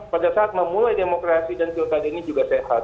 pada saat memulai demokrasi dan pilkada ini juga sehat